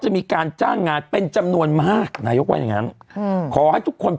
จะมีการจ้างงานเป็นจำนวนมากนายกว่าอย่างงั้นอืมขอให้ทุกคน